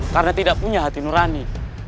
karena tidak punya hati nurani